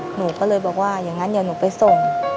หนูก็เลยบอกว่าอย่างนั้นเดี๋ยวหนูไปส่ง